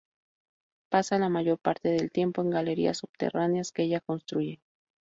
Pasa la mayor parte del tiempo en galerías subterráneas que ella construye.